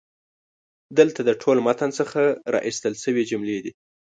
دلته د ټول متن څخه را ایستل شوي جملې دي: